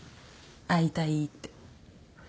会いたいって。